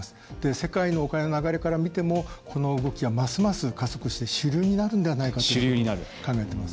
世界のお金の流れから見てもこの動きは、ますます加速して主流になるのではないかと考えています。